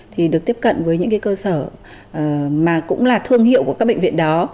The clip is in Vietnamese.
thì được tiếp cận với những cái cơ sở mà cũng là thương hiệu của các bệnh viện đó